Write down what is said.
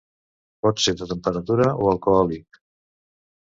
Pot ser de temperatura o alcohòlic.